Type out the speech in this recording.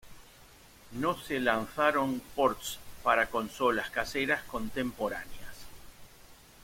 No se lanzaron ports para consolas caseras contemporáneas.